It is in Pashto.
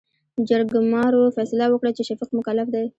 جرګمارو فيصله وکړه چې، شفيق مکلف دى.